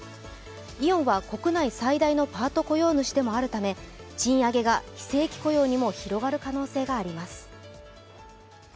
イオンは国内最大のパート雇用主でもあるため賃上げが非正規雇用にも広がる可能性があります。